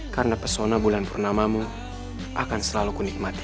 karena pesona bulan purnamamu akan selalu ku nikmati